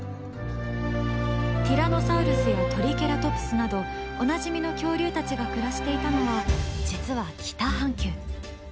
ティラノサウルスやトリケラトプスなどおなじみの恐竜たちが暮らしていたのは実は北半球。